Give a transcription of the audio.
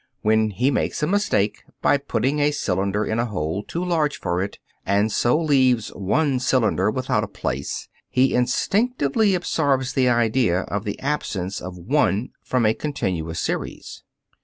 When he makes a mistake by putting a cylinder in a hole too large for it, and so leaves one cylinder without a place, he instinctively absorbs the idea of the absence of one from a continuous series.